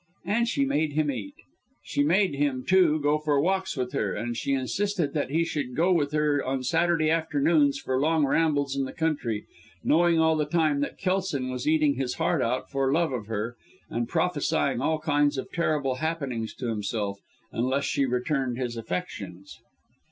And she made him eat. She made him, too, go for walks with her, and she insisted that he should go with her on Saturday afternoons for long rambles in the country, knowing all the time that Kelson was eating his heart out for love of her, and prophesying all kinds of terrible happenings to himself, unless she returned his affections.